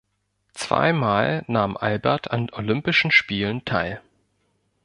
Zweimal nahm Albert an Olympischen Spielen teil.